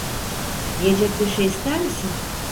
Yiyecek bir şey ister misin?